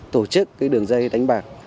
tổ chức đường dây đánh bạc